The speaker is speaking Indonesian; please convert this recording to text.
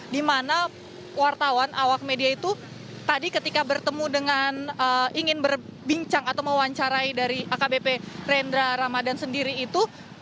karena wartawan awak media itu tadi ketika bertemu dengan ingin berbincang atau mewawancarai dari akbp rendra ramadhan sendiri itu